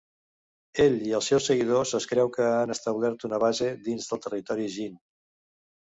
Ell i els seus seguidors es creu que han establert una base dins del territori Jin.